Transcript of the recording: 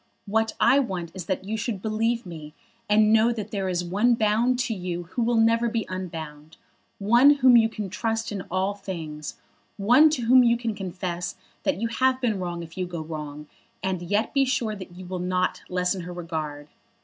What I want is that you should believe me, and know that there is one bound to you who will never be unbound, one whom you can trust in all things, one to whom you can confess that you have been wrong if you go wrong, and yet be sure that you will not lessen her regard.